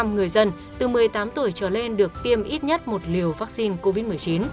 bốn mươi ba năm mươi sáu người dân từ một mươi tám tuổi trở lên được tiêm ít nhất một liều vaccine covid một mươi chín